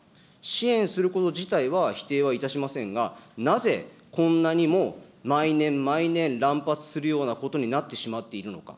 支援すること自体は否定はいたしませんが、なぜこんなにも毎年毎年、乱発するようなことになってしまっているのか。